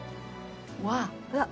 うわっ！